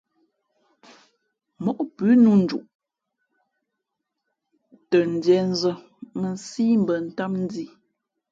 Móʼ pʉ̌ nnū nduʼ tα ndīē nzᾱ mᾱnsí mbα̌ ntám ndhī.